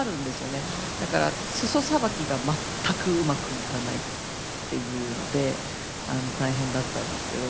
だから裾さばきが全くうまくいかないっていうので大変だったんですけど。